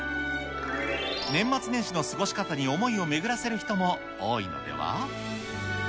年末年始の過ごし方に思いを巡らせる人も多いのでは？